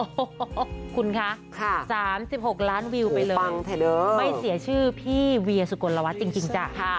โอ้โหคุณคะ๓๖ล้านวิวไปเลยไม่เสียชื่อพี่เวียสุกลวัฒน์จริงจ้ะ